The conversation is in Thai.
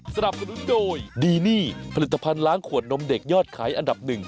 สวัสดีครับ